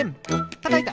たたいた！